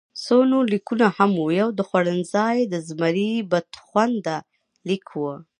څو نور لیکونه هم وو، یو د خوړنځای د زمري بدخونده لیک وو.